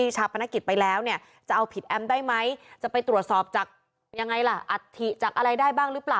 จะไปตรวจสอบอะไรได้หรือเปล่า